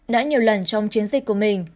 đã nhiều lần trong chiến dịch của mình